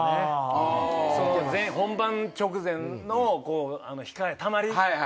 本番直前の控えたまり？